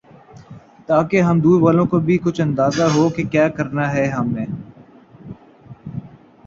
تاکہ ہم دور والوں کو بھی کچھ اندازہ ہوکہ کیا کرنا ہے ہم نے